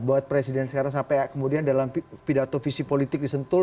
buat presiden sekarang sampai kemudian dalam pidatovisi politik disentul